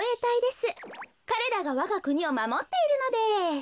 かれらがわがくにをまもっているのです。